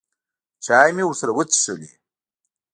چای مې ورسره وڅښلې.